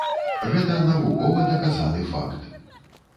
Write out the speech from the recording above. Гэта навукова даказаны факт.